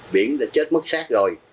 biển đã chết mất sát rồi